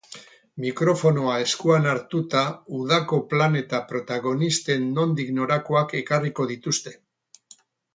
Mikrofonoa eskuan hartuta, udako plan eta protagonisten nondik norakoak ekarriko dituzte.